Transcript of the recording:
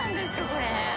これ。